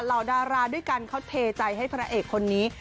ดาราด้วยกันเขาเทใจให้พระเอกคนนี้